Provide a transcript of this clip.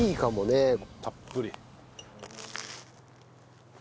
たっぷり。